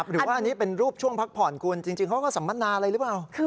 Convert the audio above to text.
หรือว่าอันนี้เป็นรูปช่วงพักผ่อนคุณจริงเขาก็สัมมนาอะไรหรือเปล่า